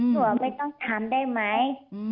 หนูอ่ะไม่ต้องทำได้ไหม